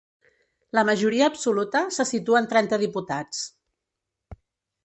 La majoria absoluta se situa en trenta diputats.